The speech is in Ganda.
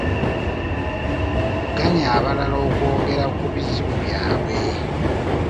Ganya abalala okwogera ku bizibu byabwe .